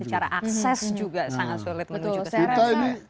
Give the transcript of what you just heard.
secara akses juga sangat sulit menuju ke sana